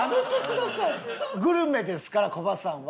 グルメですからコバさんは。